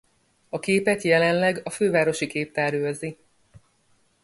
A képet jelenleg a Fővárosi Képtár őrzi.